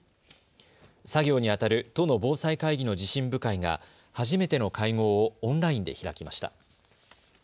作業にあたる都の防災会議の地震部会が初めての会合をオンラインで開きました。